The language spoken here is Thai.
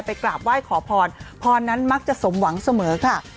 กราบไหว้ขอพรพรนั้นมักจะสมหวังเสมอค่ะ